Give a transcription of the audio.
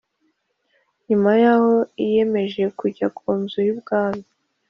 Nyuma yaho niyemeje kujya ku Nzu y Ubwami